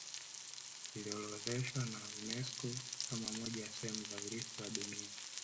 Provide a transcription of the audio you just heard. iliorodheshwa na unesco kama moja ya sehemu za urithi wa dunia